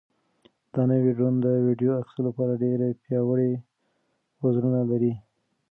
دا نوی ډرون د ویډیو اخیستلو لپاره ډېر پیاوړي وزرونه لري.